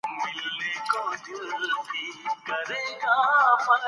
نعمت الله د عمر په آخر کي د شېخ بستان ملګری ؤ.